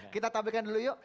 kita tambahkan dulu yuk